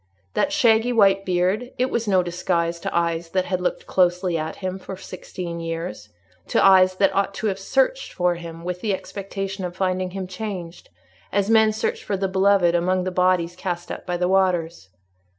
That shaggy white beard—it was no disguise to eyes that had looked closely at him for sixteen years—to eyes that ought to have searched for him with the expectation of finding him changed, as men search for the beloved among the bodies cast up by the waters.